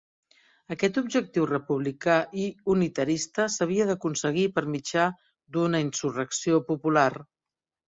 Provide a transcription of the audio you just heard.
Aquest objectiu republicà i unitarista s'havia d'aconseguir per mitjà d'una insurrecció popular.